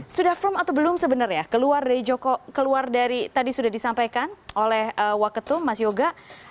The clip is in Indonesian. sudah from atau belum sebenarnya keluar dari joko keluar dari tadi sudah disampaikan oleh waketum mas yoga